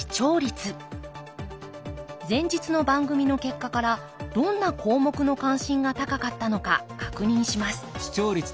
前日の番組の結果からどんな項目の関心が高かったのか確認します。